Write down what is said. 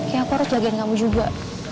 ya aku harus jagain kamu juga